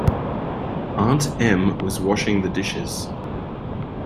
Aunt Em was washing the dishes.